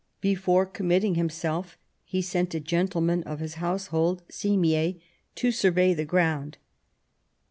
Before committing himself he sent a gentleman of his household, • Simier, to survey the ground.